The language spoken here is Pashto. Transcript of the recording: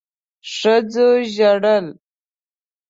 ښځو ژړل